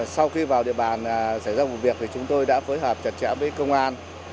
sau khi vào địa bàn xảy ra vụ việc thì chúng tôi đã phối hợp chặt chẽ với công an